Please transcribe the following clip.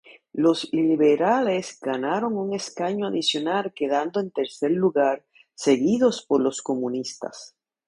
Los liberales ganaron un escaño adicional quedando en tercer lugar, seguidos por los comunistas.